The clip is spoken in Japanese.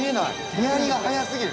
◆手やりが速過ぎる。